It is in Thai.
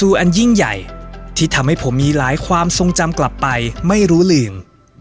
อันยิ่งใหญ่ที่ทำให้ผมมีหลายความทรงจำกลับไปไม่รู้ลืม